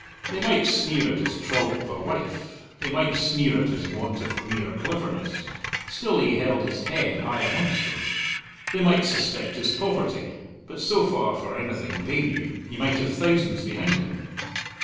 They might sneer at his trollop of a wife, they might sneer at his want of mere cleverness; still he held his head high amongst them. They might suspect his poverty; but so far, for anything they knew, he might have thousands behind him.